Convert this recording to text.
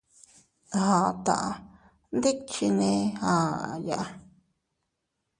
Aata ndikchinne aʼaya.